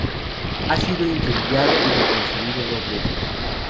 Ha sido incendiado y reconstruido dos veces.